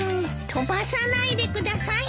飛ばさないでください。